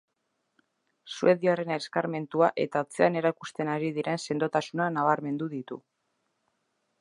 Suediarren eskarmentua eta atzean erakusten ari diren sendotasuna nabarmendu ditu.